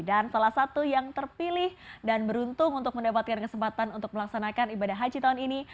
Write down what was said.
dan salah satu yang terpilih dan beruntung untuk mendapatkan kesempatan untuk melaksanakan ibadah haji tahun ini